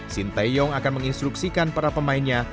sinteyong akan menginstruksikan para pemainnya